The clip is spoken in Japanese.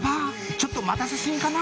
ちょっと待たせ過ぎかな？」